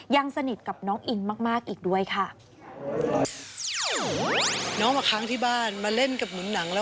ยังสนิทกับน้องอินมากอีกด้วยค่ะ